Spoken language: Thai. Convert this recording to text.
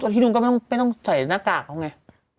ที่นู้นก็ไม่ต้องใส่หน้ากากแน่วไง